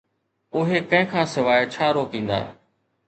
اهي ڪنهن کان سواءِ ڇا روڪيندا؟